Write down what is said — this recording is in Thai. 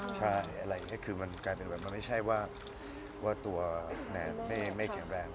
ก็คือมันไม่ใช้ว่าตัวแมดไม่แข็งแรง